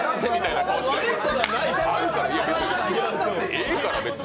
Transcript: ええから、別に。